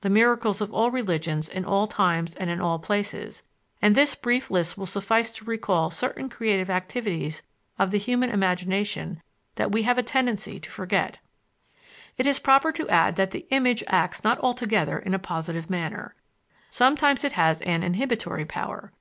the miracles of all religions in all times and in all places; and this brief list will suffice to recall certain creative activities of the human imagination that we have a tendency to forget. It is proper to add that the image acts not altogether in a positive manner. Sometimes it has an inhibitory power.